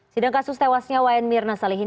sidang kasus tewasnya wayan mirna salihin